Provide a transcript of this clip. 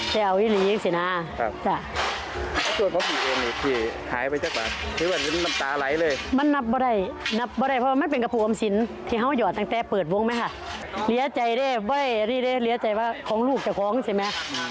จากโต๊ะไร้โรงใช่ไหมตั้งใจเก็บให้ค่ะ